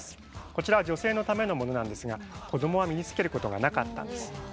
こちらは女性のためのものなんですが子どもは身につけることがなかったんです。